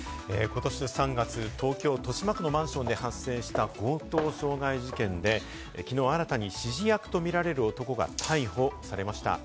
ことし３月、東京・豊島区のマンションで発生した強盗傷害事件で、きのう、新たに指示役とみられる男が逮捕されました。